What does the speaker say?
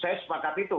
saya sepakat itu